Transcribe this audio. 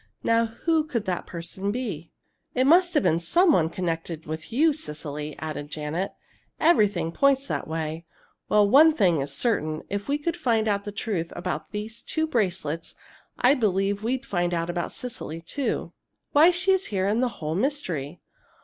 Now who could that person be?" "It must have been some one connected with you, Cecily," added Janet. "Everything points that way. Well, one thing is certain: if we could find out the truth about these two bracelets, I believe we'd find out about Cecily, too why she is here and the whole mystery!"